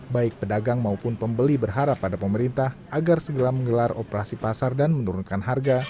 baik pedagang maupun pembeli berharap pada pemerintah agar segera menggelar operasi pasar dan menurunkan harga